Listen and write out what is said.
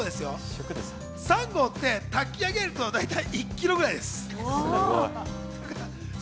炊き上げると大体１ｋｇぐらいです。